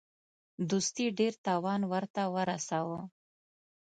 دوستي ډېر تاوان ورته ورساوه.